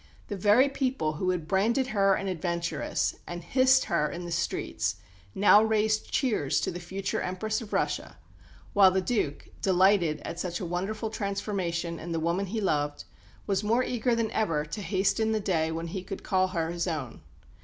The very people who had branded her "adventuress" and hissed her in the streets, now raised cheers to the future Empress of Russia; while the Duke, delighted at such a wonderful transformation in the woman he loved, was more eager than ever to hasten the day when he could call her his own.